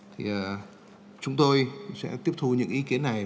thì chúng tôi sẽ tiếp thu những ý kiến này